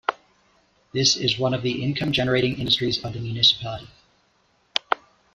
This is one of the income generating industries of the municipality.